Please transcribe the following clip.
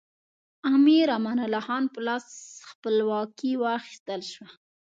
امیر امان الله خان په لاس خپلواکي واخیستل شوه.